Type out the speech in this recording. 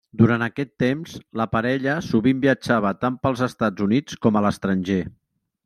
Durant aquest temps la parella sovint viatjava tant pels Estats Units com a l'estranger.